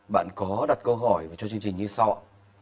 bạn có đặt câu hỏi cho chương trình như sau